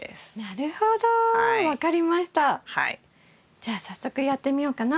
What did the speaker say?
じゃあ早速やってみようかな。